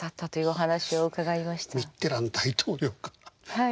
はい。